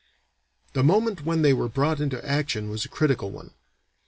The moment when they were brought into action was a critical one.